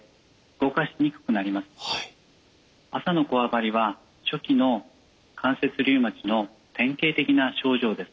それは夜朝のこわばりは初期の関節リウマチの典型的な症状です。